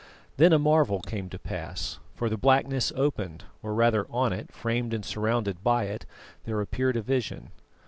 Then a marvel came to pass, for the blackness opened, or rather on it, framed and surrounded by it, there appeared a vision.